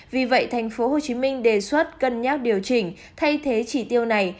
vì vậy tp hcm đề xuất cân nhắc điều chỉnh thay thế chỉ tiêu này